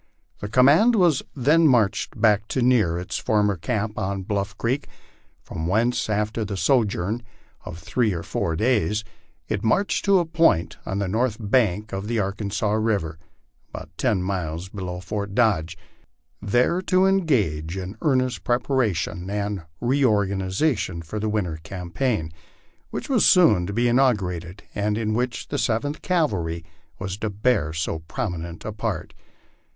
The command was then marched back to near its former camp on Bluff creek, from whence, after a sojourn of three or four days, it marched to a point on the north bank of the Arkansas river, about ten miles below Fort Dodge, there to engage in earnest preparation and reorganization for the winter campaign, which was soon to be inaugurated, and in which the Seventh Cavalry was to bear so prominent a part.